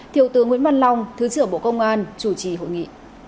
thiếu tướng nguyễn văn long thứ trưởng bộ công an chủ trì hội nghị